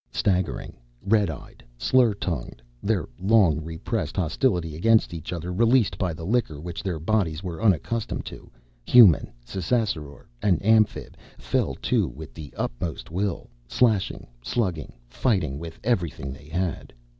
Staggering, red eyed, slur tongued, their long repressed hostility against each other, released by the liquor which their bodies were unaccustomed to, Human, Ssassaror and Amphib fell to with the utmost will, slashing, slugging, fighting with everything they had.